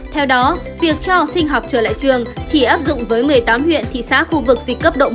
theo đó việc cho học sinh học trở lại trường chỉ áp dụng với một mươi tám huyện thị xã khu vực dịch cấp độ một